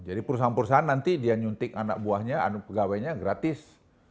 jadi perusahaan perusahaan nanti dia nyuntik anak buahnya anak pegawainya gratis